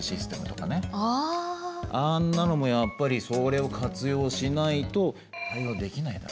あんなのもやっぱりそれを活用しないと対応できないだろうね。